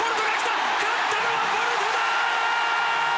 勝ったのはボルトだー！